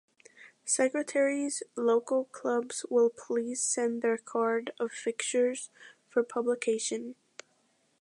Secretaries local clubs will please send their card of fixtures for publication.